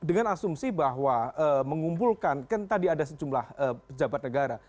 oke tentu dengan asumsi bahwa mengumpulkan kan tadi ada sejumlah jabat negara